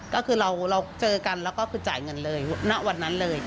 ก็คือเราเจอกันแล้วก็คือจ่ายเงินเลยณวันนั้นเลย